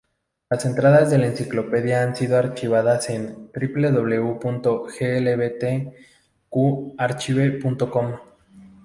Las entradas de la enciclopedia han sido archivadas en www.glbtqarchive.com.